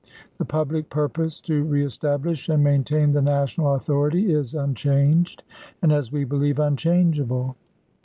The public purpose to reestablish and maintain the National authority is unchanged, and, as we believe, unchangeable.